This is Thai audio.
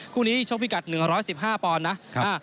คู่นี้ชกพิกัด๑๑๕ปอนด์นะ